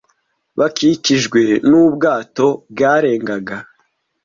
Bakijijwe n'ubwato bwarengaga.